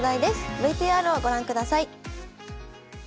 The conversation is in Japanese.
ＶＴＲをご覧ください。